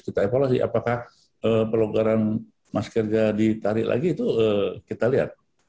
kita evaluasi apakah pelonggaran maskernya ditarik lagi itu kita lihat